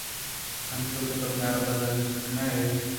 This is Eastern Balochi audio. انچو کہ تو بناربس ءِ جست کنگ ءَ ئے